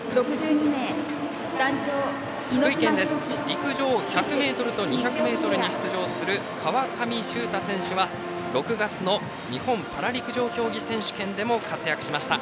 陸上１００ｍと２００ｍに出場する川上秀太選手は６月の日本パラ陸上競技選手権でも活躍しました。